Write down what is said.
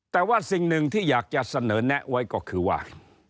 แต่ว่าสิ่งหนึ่งที่อยากจะเสนอแนะไว้ก็คือว่า